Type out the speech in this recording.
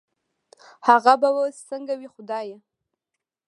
هغه به وس سنګه وي خدايه